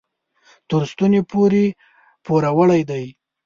تر ستوني پورې پوروړي دي.